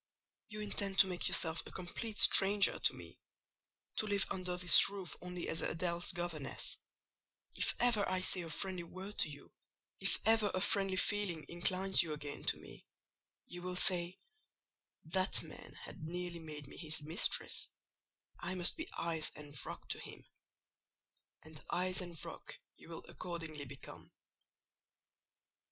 You intend to make yourself a complete stranger to me: to live under this roof only as Adèle's governess; if ever I say a friendly word to you, if ever a friendly feeling inclines you again to me, you will say,—'That man had nearly made me his mistress: I must be ice and rock to him;' and ice and rock you will accordingly become."